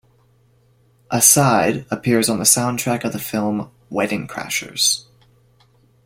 "Aside" appears on the soundtrack of the film "Wedding Crashers".